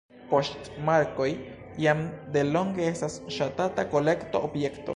Poŝtmarkoj jam delonge estas ŝatata kolekto-objekto.